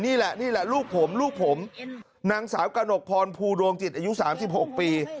นี่แหละนี่แหละลูกผมลูกผมนางสาวกระหนกพรภูดวงจิตอายุ๓๖ปี